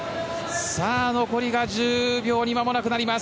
残りが１０秒にまもなくなります。